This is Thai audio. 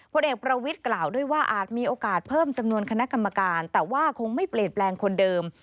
ผลเอกประวิทย์กล่าวด้วยว่าอาจมีโอกาสเพิ่มจำนวนคณะกรรมการแต่ว่าคงไม่เปลี่ยนแปลงคนเดิม